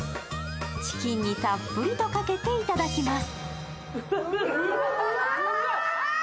チキンにたっぷりとかけていただきます。